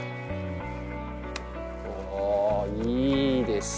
おいいですね。